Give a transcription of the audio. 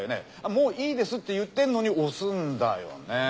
もういいですって言ってんのに押すんだよね。